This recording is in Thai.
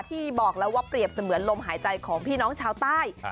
ที่บอกแล้วว่าเปรียบเสมือนลมหายใจของพี่น้องชาวใต้